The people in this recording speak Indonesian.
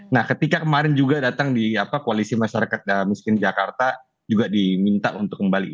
nah ketika kemarin juga datang di koalisi masyarakat miskin jakarta juga diminta untuk kembali